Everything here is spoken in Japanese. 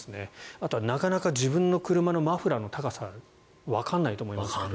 あとはなかなか自分の車のマフラーの高さわからないと思います。